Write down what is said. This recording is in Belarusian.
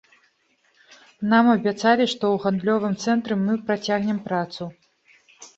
Нам абяцалі, што ў гандлёвым цэнтры мы працягнем працу.